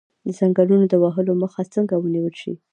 د ځنګلونو د وهلو مخه څنګه ونیول شي؟